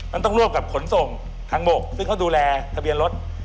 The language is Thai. มันต้องร่วมกับขนส่งทางบกซึ่งเขาดูแลทะเบียนรถ